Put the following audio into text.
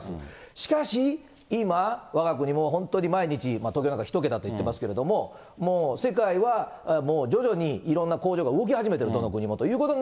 しかし今、わが国も本当に毎日、東京なんか１桁と言ってますけど、もう世界はもう徐々にいろんな工場が動き始めている、どの国もということで。